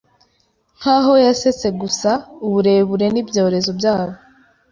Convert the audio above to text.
Nkaho yasetse gusa uburebure nibyorezo byabo